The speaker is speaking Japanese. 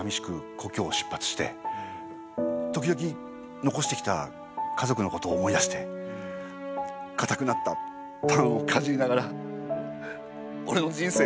故郷を出発して時々残してきた家族のことを思い出してかたくなったパンをかじりながらおれの人生